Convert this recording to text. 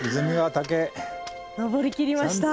登りきりました。